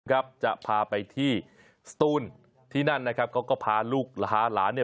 ครับจะพาไปที่สตูนที่นั่นนะครับเขาก็พาลูกลาหลานเนี่ย